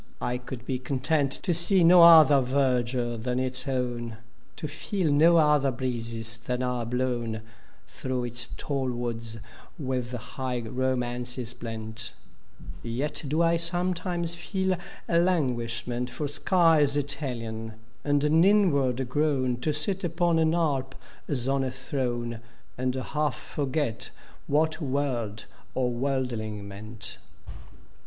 I could be content To see no other verdnre than its own; To feel no other breexes than are blown Diroagh its tall woods with high romances blent: Yet do I sometimes feel a languishment For skies Italian, and an inward groan To sit upon an Alp as on a throne, And half forget what world or worldling meant.